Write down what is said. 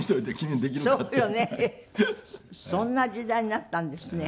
そんな時代になったんですね。